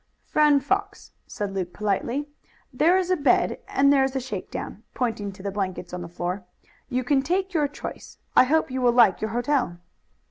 "Friend Fox," said Luke politely, "there is a bed and there is a shakedown," pointing to the blankets on the floor. "You can take your choice. I hope you will like your hotel."